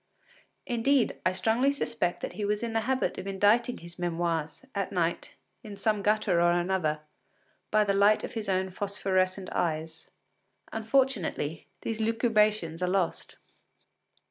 Indeed, I strongly suspect that he was in the habit of inditing his memoirs, at night, in some gutter or another, by the light of his own phosphorescent eyes. Unfortunately, these lucubrations are lost.